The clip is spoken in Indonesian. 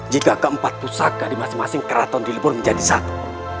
jika keempat pusaka di masing masing keraton dilibur menjadi satu